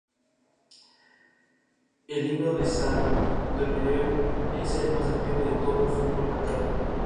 La Rochejaquelein no se daba por vencido.